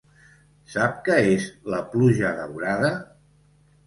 Sap què és la pluja daurada?